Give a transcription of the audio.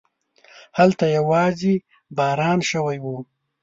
هلته يواځې باران شوی و.